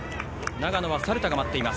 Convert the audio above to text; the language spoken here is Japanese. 長野は猿田が待っています。